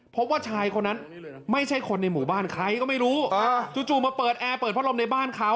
พบว่าชายคนนั้นไม่ใช่คนในหมู่บ้านใครก็ไม่รู้จู่มาเปิดแอร์เปิดพัดลมในบ้านเขา